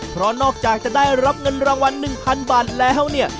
เพราะนอกจากจะได้รับเงินรางวัล๑๐๐๐บาทแล้วเนี่ย